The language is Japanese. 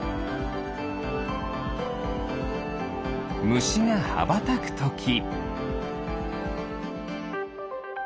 ムシがはばたくとき。